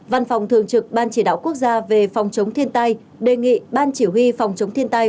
văn phòng thường trực ban chỉ đạo quốc gia về phòng chống thiên tai đề nghị ban chỉ huy phòng chống thiên tai